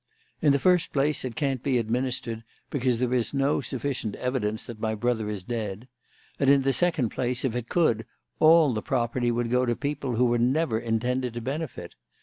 In the first place, it can't be administered because there is no sufficient evidence that my brother is dead; and in the second place, if it could, all the property would go to people who were never intended to benefit.